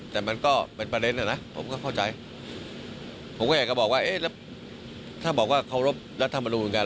แต่มันก็เป็นประเด็นนะผมก็เข้าใจผมก็อยากจะบอกว่าถ้าบอกว่าเคารพรัฐธรรมนุมเหมือนกัน